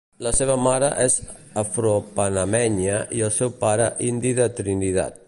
La seva mare és afropanamenya i el seu pare indi de Trinidad.